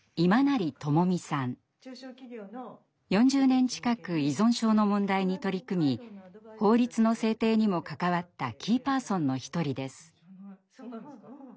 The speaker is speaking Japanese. ４０年近く依存症の問題に取り組み法律の制定にも関わったキーパーソンの一人です。